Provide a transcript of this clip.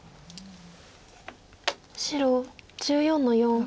白１４の四。